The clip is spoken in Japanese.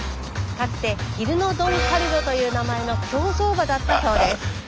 かつてヒルノドンカルロという名前の競走馬だったそうです。